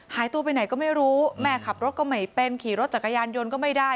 หายตัวไปไหนก็ไม่รู้แม่ขับรถก็ไม่เป็นขี่รถจักรยานยนต์ก็ไม่ได้